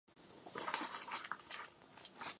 Ústup partyzánů trval až do pozdních odpoledních hodin.